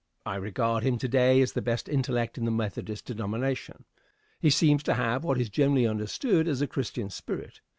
I regard him to day as the best intellect in the Methodist denomination. He seems to have what is generally understood as a Christian spirit.